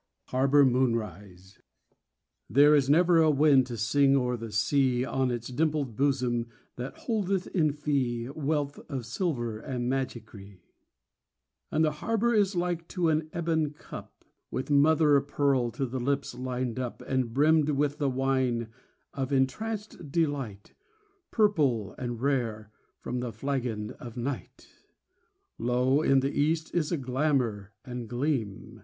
15 HARBOR MOONRISE There is never a wind to sing o'er the sea On its dimpled bosom that holdeth in fee Wealth of silver and magicry; And the harbor is like to an ebon cup With mother o' pearl to the lips lined up, And brimmed with the wine of entranced delight, Purple and rare, from the flagon of night. Lo, in the east is a glamor and gleam*.